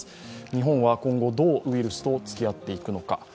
日本は今後、どうウイルスと付き合っていくのか。